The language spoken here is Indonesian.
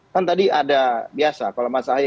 kan tadi ada biasa kalau mas ahy